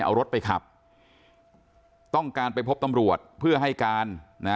เอารถไปขับต้องการไปพบตำรวจเพื่อให้การนะ